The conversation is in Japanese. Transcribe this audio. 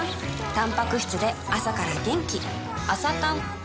たんぱく質で朝から元気